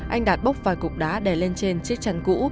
anh đạt bốc vài cục đá đè lên trên chiếc chăn cũ